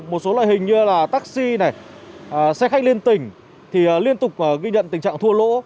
một số loại hình như là taxi này xe khách liên tỉnh thì liên tục ghi nhận tình trạng thua lỗ